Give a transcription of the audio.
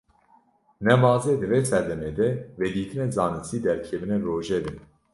Nemaze di vê serdemê de, vedîtinên zanistî derdikevine rojevê